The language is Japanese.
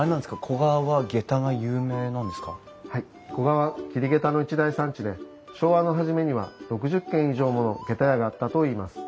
古河は桐げたの一大産地で昭和の初めには６０軒以上ものげた屋があったといいます。